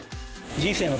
人生の。